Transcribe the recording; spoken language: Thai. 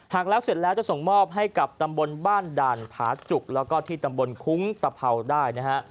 หากแล้วเสร็จแล้วจะส่งมอบให้กับตำบลบ้านด่านผาจุกแล้วก็ที่ตำบลคุ้งตะเผาได้นะฮะ